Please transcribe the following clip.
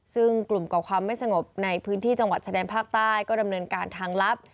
ซึ่งกลุ่มก่อความไม่สงบในพื้นที่จังหวัดชะแดนภาคใต้ก็ดำเนินการทางลับ